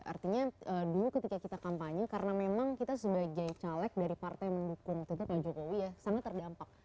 artinya dulu ketika kita kampanye karena memang kita sebagai caleg dari partai mendukung tentu pak jokowi ya sangat terdampak